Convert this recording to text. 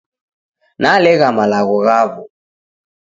Nalegha malagho ghaw'o